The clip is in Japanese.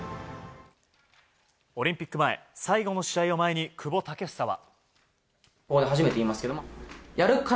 オリンピック前最後の試合を前に久保建英は。